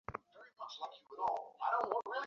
আমি জাকারিয়ার একজন ব্যক্তিগত সহকারী!